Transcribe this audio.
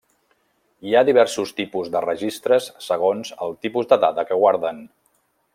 Hi ha diversos tipus de registres segons el tipus de dada que guarden.